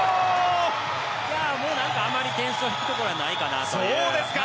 もうあまり点数引くところはないかなと。